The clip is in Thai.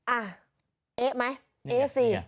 อ่ะเอ๊ะไหมเอ๊ะสิ